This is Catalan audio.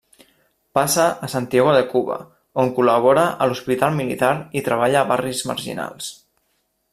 Passa a Santiago de Cuba, on col·labora a l'hospital militar i treballa a barris marginals.